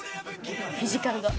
フィジカルが。